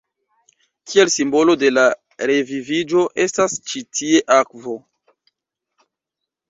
Kiel simbolo de la reviviĝo estas ĉi tie akvo.